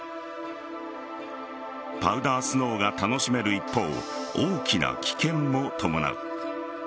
パウダースノーが楽しめる一方大きな危険も伴う。